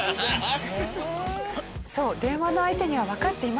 そう電話の相手にはわかっていませんもんね。